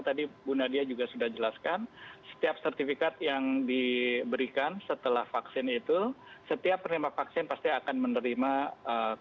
tadi bu nadia juga sudah jelaskan setiap sertifikat yang diberikan setelah vaksin itu setiap penerima vaksin pasti akan menerima dokter dan omor telepon kontaknya untuk dibuka